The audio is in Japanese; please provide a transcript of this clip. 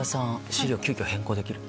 資料急きょ変更できる？